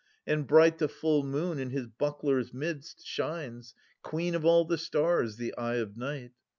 And bright the full moon in his buckler's midst Shines, queen of all the stars, the eye of night.